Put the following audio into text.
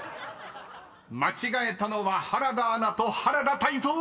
［間違えたのは原田アナと原田泰造！］